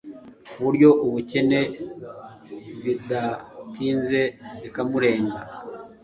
kuburyo ubukene bidatinze bikamurenga